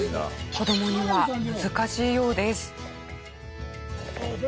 子供には難しいようです。